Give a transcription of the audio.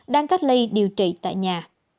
đang cách ly điều trị tại nhà